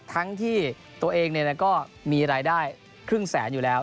ทั้งที่ตัวเองก็มีรายได้ครึ่งแสนอยู่แล้ว